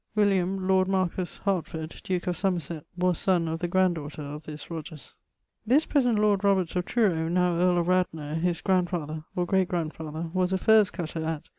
William, lord marquesse Hartford (duke of Somerset), was son of the grand daughter of this Rogers. This present lord Roberts of Truro (now earl of Radnor) his grandfather (or great grandfather) was a furze cutter at